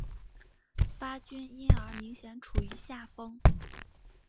巴军因而明显处于下风。